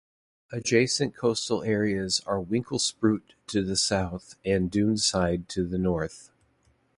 Adjacent coastal areas are Winklespruit to the south and Doonside to the north.